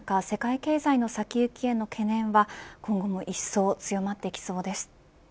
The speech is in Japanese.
世界経済の先行きへの懸念は今後もいっそう強まっていきそうです。